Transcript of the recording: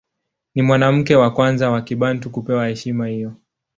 Ni mwanamke wa kwanza wa Kibantu kupewa heshima hiyo.